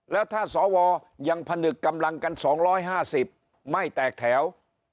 แล้วถ้าสวยังผนึกกำลังกัน๒๕๐ไม่แตกแถว